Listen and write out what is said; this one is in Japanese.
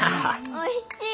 おいしい！